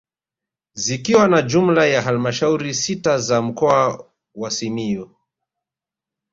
Zikiwa ni jumla ya halmashauri sita za mkoa wa Simiyu